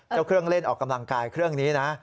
เครื่องเล่นออกกำลังกายเครื่องนี้นะ